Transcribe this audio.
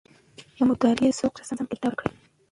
د مطالعې ذوق سره سم کتاب غوره کړئ.